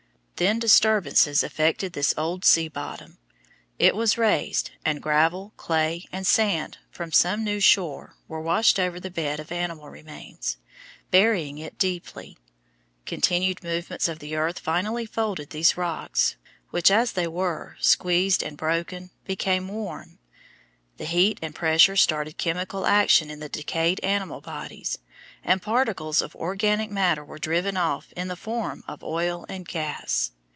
Then disturbances affected this old sea bottom. It was raised, and gravel, clay, and sand from some new shore were washed over the bed of animal remains, burying it deeply. Continued movements of the earth finally folded these rocks, which, as they were, squeezed and broken, became warm. The heat and pressure started chemical action in the decayed animal bodies, and particles of organic matter were driven off in the form of oil and gas.